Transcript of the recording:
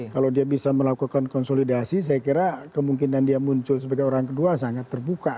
kalau dia bisa melakukan konsolidasi saya kira kemungkinan dia muncul sebagai orang kedua sangat terbuka